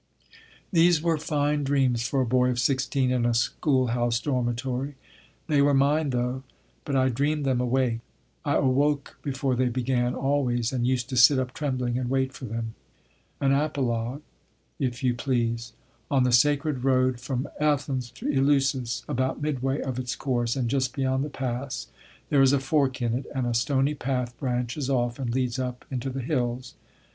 These were fine dreams for a boy of sixteen in a schoolhouse dormitory. They were mine, though: but I dreamed them awake. I awoke before they began, always, and used to sit up trembling and wait for them. An apologue, if you please. On the sacred road from Athens to Eleusis, about midway of its course, and just beyond the pass, there is a fork in it, and a stony path branches off and leads up into the hills.